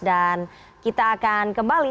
dan kita akan kembali